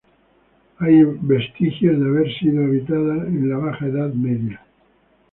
Hay vestigios de haber sido habitada en la la Baja Edad Media.